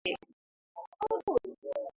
Tarehe ishirini na moja mwezi wa kumi na mbili